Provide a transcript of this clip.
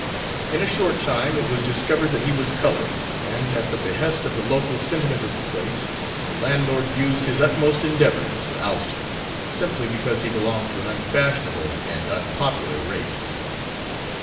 In a short time it was discovered that he was colored, and, at the behest of the local sentiment of the place, the landlord used his utmost endeavors to oust him, simply because he belonged to an unfashionable and unpopular race.